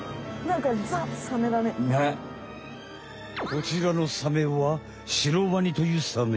こちらのサメはシロワニというサメ。